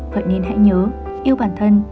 vậy nên hãy nhớ yêu bản thân